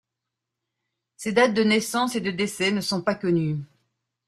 Ses dates de naissance et de décès, ne sont pas connues.